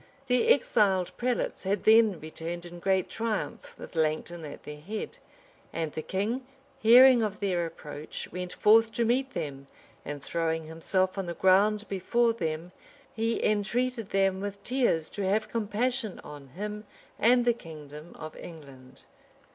The exiled prelates had then returned in great triumph, with Langton at their head; and the king, hearing of their approach, went forth to meet them, and throwing himself on the ground before them, he entreated them with tears to have compassion on him and the kingdom of England.